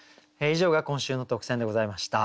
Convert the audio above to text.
以上が今週の特選でございました。